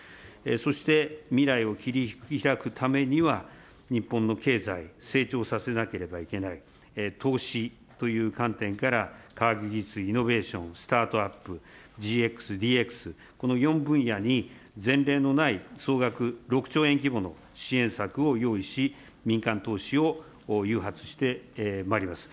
そして未来を切り開くためには、日本の経済、成長させなければいけない、投資という観点から、科学技術、イノベーション、スタートアップ、ＧＸ、ＤＸ、この４分野に前例のない総額６兆円規模の支援策を用意し、民間投資を誘発してまいります。